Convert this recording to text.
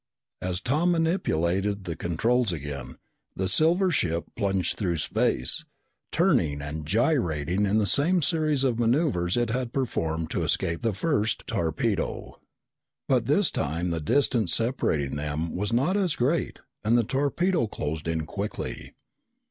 As Tom manipulated the controls again, the silver ship plunged through space, turning and gyrating in the same series of maneuvers it had performed to escape the first torpedo. But this time the distance separating them was not as great and the torpedo closed in quickly.